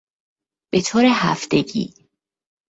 به طور هفتگی